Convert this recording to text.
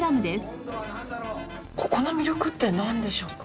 ここの魅力ってなんでしょうか？